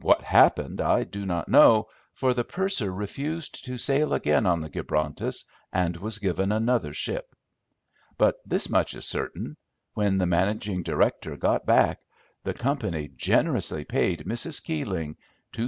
What happened I do not know, for the purser refused to sail again on the Gibrontus, and was given another ship. But this much is certain. When the managing director got back, the company generously paid Mrs. Keeling £2100.